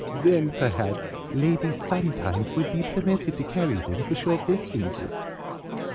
Then perhaps ladies would sometimes be permitted to carry them for short distances!"